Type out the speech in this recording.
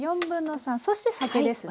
そして酒ですね。